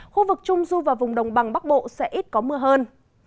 khu vực trung du và vùng đồng bằng bắc bộ sẽ ít có mưa hơn